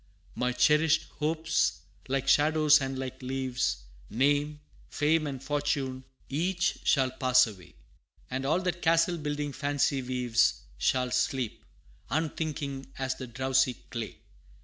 My cherished hopes, like shadows and like leaves, Name, fame, and fortune each shall pass away; And all that castle building fancy weaves, Shall sleep, unthinking, as the drowsy clay.